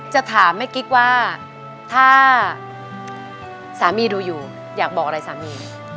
จะถามแม่กิ๊กว่าถ้าสามีดูอยู่อยากบอกอะไรสามี